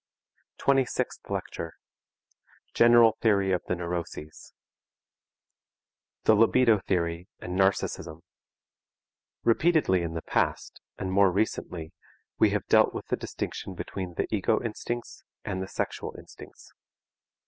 TWENTY SIXTH LECTURE GENERAL THEORY OF THE NEUROSES The Libido Theory and Narcism Repeatedly in the past and more recently we have dealt with the distinction between the ego instincts and the sexual instincts.